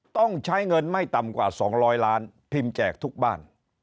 ต้องใช้เงินไม่ต่ำกว่า๒๐๐ล้านพิมพ์แจกทุกบ้าน